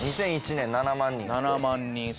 ２００１年７万人。